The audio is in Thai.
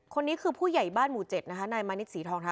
คนนี้คือผู้ใหญ่บ้านหมู่๗นะคะนายมานิดสีทองทา